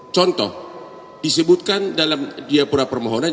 contoh disebutkan dalam diapura permohonan